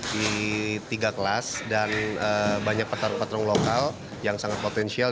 di tiga kelas dan banyak petarung petarung lokal yang sangat potensial